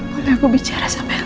boleh aku bicara sama aku